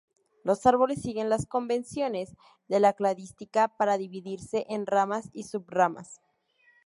Los árboles siguen las convenciones de la cladística para dividirse en ramas y sub-ramas.